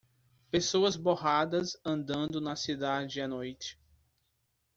Pessoas borradas andando na cidade à noite.